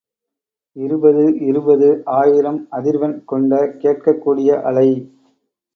இருபது இருபது ஆயிரம் அதிர்வெண் கொண்ட கேட்கக் கூடிய அலை.